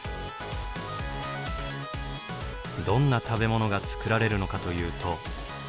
どんな食べ物が作られるのかというと。